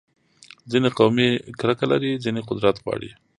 ځینې قومي کرکه لري، ځینې قدرت غواړي.